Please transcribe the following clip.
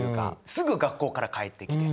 すぐ学校から帰ってきて。